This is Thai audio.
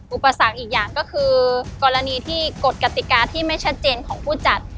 อุปสรรคอีกอย่างก็คือกรณีที่กฎกติกาที่ไม่ชัดเจนของผู้จัด